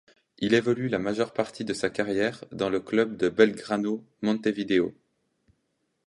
Il évolue la majeure partie de sa carrière dans le club de Belgrano Montevideo.